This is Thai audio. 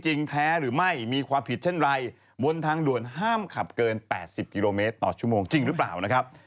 จริงหรือเปล่านะครับ